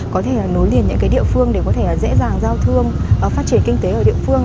có thể nối liền những địa phương để có thể là dễ dàng giao thương phát triển kinh tế ở địa phương